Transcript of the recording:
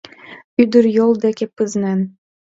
Ӱдыр йол деке пызнен